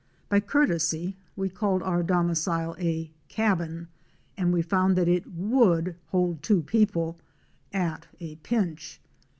By courtesy we called our domicile a cabin, and we found that it would hold two people —at a pinch!